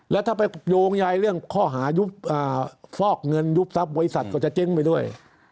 แล้วถ้าไปโยงยายเรื่องข้อหาฟอกเงินยุบทรัพย์บริษัทก็จะเจ๊งไปด้วย